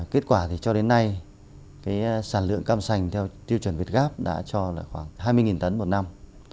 kết quả thì cho đến nay sản lượng cam sành theo tiêu chuẩn việt gáp đã cho là khoảng hai mươi tấn một năm